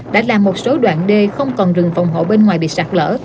đã làm một số đoạn đê không còn rừng phòng hộ bên ngoài bị sạt lở